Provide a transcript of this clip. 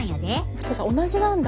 太さ同じなんだ。